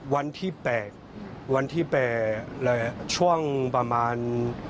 วันที่๘วันที่๘ช่วงประมาณ